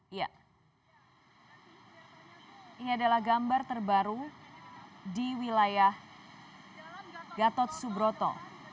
iya ini adalah gambar terbaru di wilayah gatot subroto